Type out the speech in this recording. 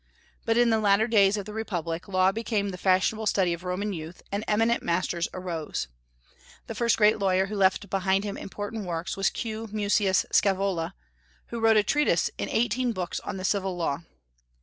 But in the latter days of the republic law became the fashionable study of Roman youth, and eminent masters arose. The first great lawyer who left behind him important works was Q. Mucius Scaevola, who wrote a treatise in eighteen books on the civil law.